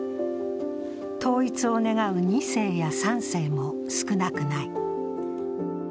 統一を願う２世や３世も少なくない。